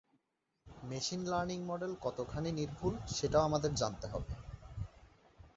Machine learning model কতখানি নির্ভুল সেটাও আমাদের জানতে হবে।